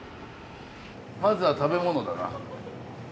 まずは食べ物だな。